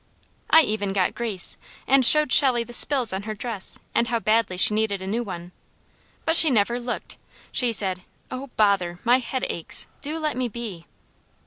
I even got Grace, and showed Shelley the spills on her dress, and how badly she needed a new one, but she never looked, she said: "Oh bother! My head aches. Do let me be!"